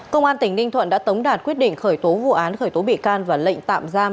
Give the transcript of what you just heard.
công an tỉnh ninh thuận đã tống đạt quyết định khởi tố vụ án khởi tố bị can và lệnh tạm giam